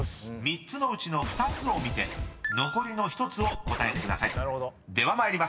［３つのうちの２つを見て残りの１つを答えてください。